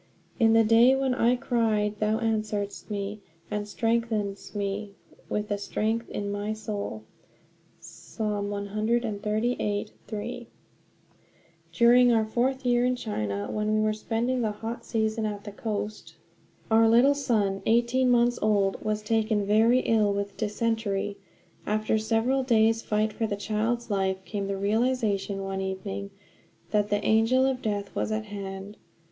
"In the day when I cried thou answeredst me, and strengthenedst me with strength in my soul" (Psa. 138:3). During our fourth year in China, when we were spending the hot season at the coast, our little son, eighteen months old, was taken very ill with dysentery. After several days' fight for the child's life came the realization, one evening, that the angel of death was at hand.